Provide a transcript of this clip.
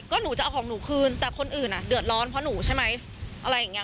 ก็หนูจะเอาของหนูคืนแต่คนอื่นอ่ะเดือดร้อนเพราะหนูใช่ไหมอะไรอย่างเงี้